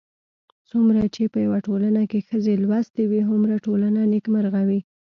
څومره چې په يوه ټولنه کې ښځې لوستې وي، هومره ټولنه نېکمرغه وي